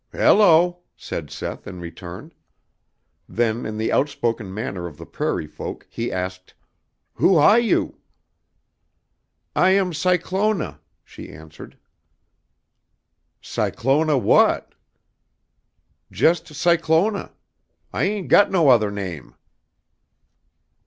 "Hello," said Seth in return. Then, in the outspoken manner of the prairie folk he asked: "Who ah you?" "I am Cyclona," she answered. "Cyclona what?" "Just Cyclona. I ain't got no other name."